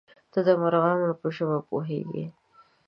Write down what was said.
_ته د مرغانو په ژبه پوهېږې؟